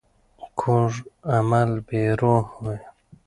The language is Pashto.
کوږ عمل بې روح وي